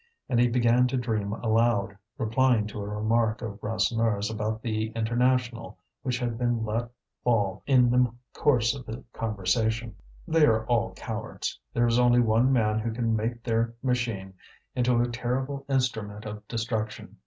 And he began to dream aloud, replying to a remark of Rasseneur's about the International which had been let fall in the course of the conversation. "They are all cowards; there is only one man who can make their machine into a terrible instrument of destruction.